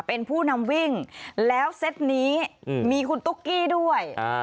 เป็นผู้นำวิ่งแล้วเซตนี้มีคุณตุ๊กกี้ด้วย